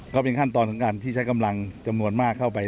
ก็เป็นขั้นตอนของการที่ใช้กำลังจำนวนมากเข้าไป